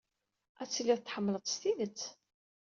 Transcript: Ad tilid tḥemmled-t s tidet.